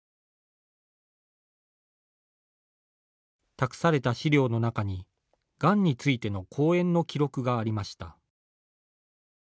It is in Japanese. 託された資料の中にがんについての講演の記録がありました。